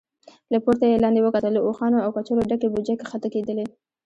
له پورته يې لاندې وکتل، له اوښانو او کچرو ډکې بوجۍ کښته کېدلې.